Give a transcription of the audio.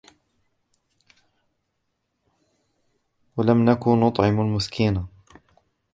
وَلَمْ نَكُ نُطْعِمُ الْمِسْكِينَ